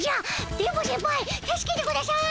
電ボセンパイ助けてください！